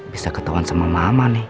bisa ketauan sama mamah nih